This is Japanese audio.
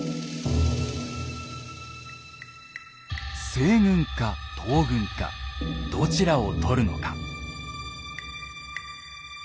西軍か東軍かどちらを取るのか。